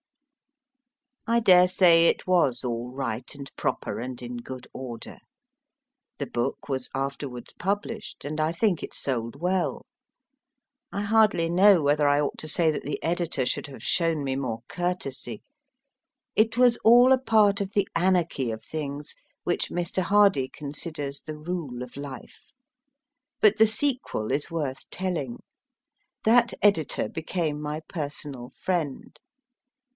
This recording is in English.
I dare say it was all right and proper and in good order. The book was afterwards published, and I think it sold well. I hardly know whether I ought to say that the editor should have shown me more courtesy. It was all a part of the anarchy of things which Mr. Hardy considers the rule of life. But the sequel is worth telling. That editor became my personal friend.